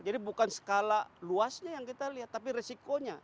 jadi bukan skala luasnya yang kita lihat tapi risikonya